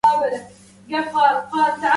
أبا العباسِ عمرت